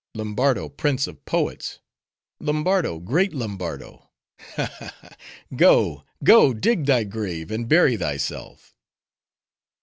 Lombardo, prince of poets—Lombardo! great Lombardo!'—Ha, ha, ha!— go, go! dig thy grave, and bury thyself!"